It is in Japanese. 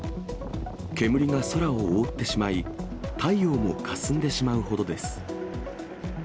煙が空を覆ってしまい、太陽もかすんでしまうほどです。